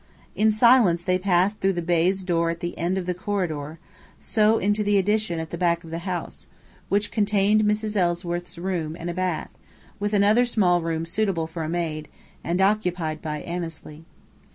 In silence they passed through the baize door at the end of the corridor, so into the addition at the back of the house, which contained Mrs. Ellsworth's room and bath, with another small room suitable for a maid, and occupied by Annesley.